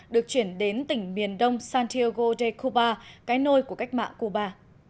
được chuyển đến tỉnh miền đông santiago de cuba cái nôi của cách mạng cuba